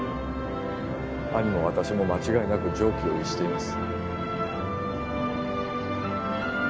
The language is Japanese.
兄も私も間違いなく常軌を逸しています